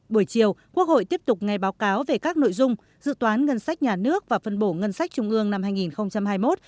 buổi chiều quốc hội tiếp tục ngay báo cáo về các nội dung dự toán ngân sách nhà nước và phân bổ ngân sách trung ương năm hai nghìn hai mươi một